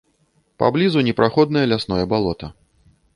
Паблізу непраходнае лясное балота.